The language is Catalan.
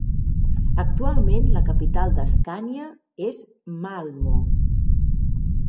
Actualment la capital d'Escània és Malmö.